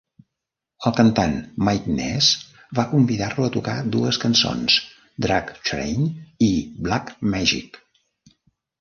El cantant Mike Ness va convidar-lo a tocar dues cançons, "Drug Train" i "Black Magic".